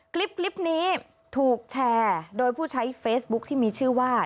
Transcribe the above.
คลิปนี้ถูกแชร์โดยผู้ใช้เฟซบุ๊คที่มีชื่อว่า